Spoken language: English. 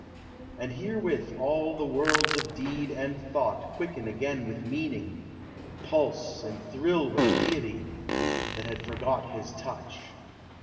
And herewith all the worlds of deed and thought Quicken again with meaning pulse and thrill With Deity that had forgot His touch.